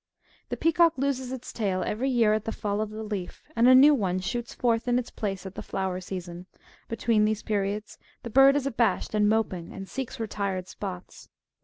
The peacock loses its tail ever}" year at the fall of the leaf, and a new one shoots forth in its place at the flower season ; between these periods the bird is abashed and moping, and seeks retired spots.